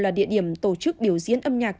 là địa điểm tổ chức biểu diễn âm nhạc